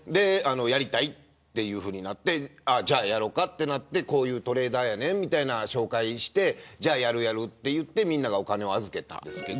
やりたい、ということになってじゃあやろうかとなってこういうトレーダーやねんと紹介してじゃあ、やるやるということでみんながお金を預けたんですけど。